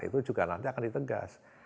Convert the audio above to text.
itu juga nanti akan ditegas